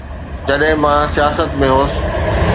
جڏهن مان سياست ۾ هوس.